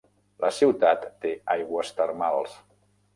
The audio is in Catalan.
La ciutat té aigües termals.